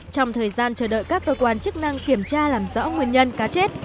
trong thời gian chờ đợi các cơ quan chức năng kiểm tra làm rõ nguyên nhân cá chết